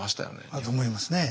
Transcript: あると思いますね。